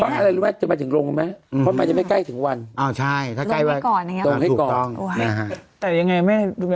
เขาอะไรรู้ไหมจะไปถึงลงไหม